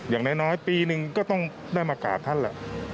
อย่างน้อยปีหนึ่งก็ต้องได้มากราบท่านแหละ